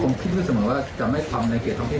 ช่วงโทษที่มาที่พรรภัยที่บ้านโป่งราชบุรี